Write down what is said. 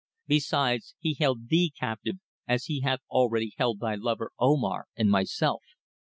Besides, he held thee captive as he hath already held thy lover Omar and myself.